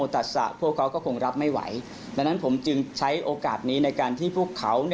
ดังนั้นผมจึงใช้โอกาสนี้ในการที่พวกเขา